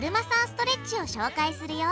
ストレッチを紹介するよ！